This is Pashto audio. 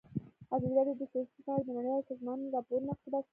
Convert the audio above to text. ازادي راډیو د سیاست په اړه د نړیوالو سازمانونو راپورونه اقتباس کړي.